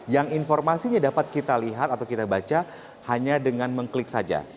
yang informasinya dapat kita lihat atau kita baca hanya dengan mengklik saja